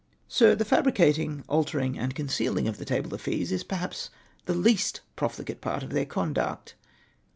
" Sir, The fabricating, altering, and concealing the table of fees is, perhaps, the least profligate part of their conduct.